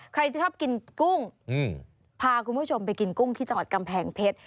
ใครจะชอบกินกุ้งพาคุณผู้ชมไปกินกุ้งที่จังหวัดกำแพงเพชร